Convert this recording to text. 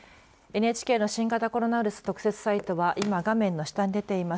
ＮＨＫの新型コロナウイルス特設サイトは今、画面の下に出ています